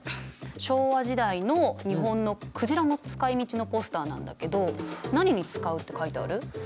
昭和時代の日本の鯨の使いみちのポスターなんだけど何に使うって書いてある？